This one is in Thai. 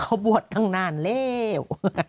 เขาบวชตั้งนานแล้ว